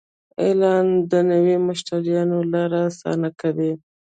اعلان د نوي مشتریانو لاره اسانه کوي.